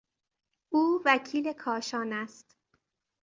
او وکیل کاشان است.